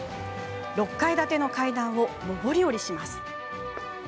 ６階建ての階段を上り下りします。